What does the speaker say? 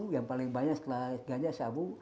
yang paling banyak setelah ganja sabu